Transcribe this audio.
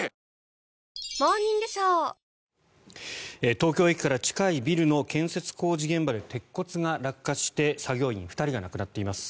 東京駅から近いビルの建設工事現場で鉄骨が落下して、作業員２人が亡くなっています。